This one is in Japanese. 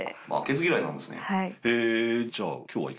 はい。